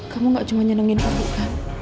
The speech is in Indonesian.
kamu nggak cuma nyenengin aku kan